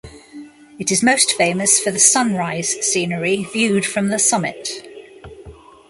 It is most famous for the sunrise scenery viewed from the summit.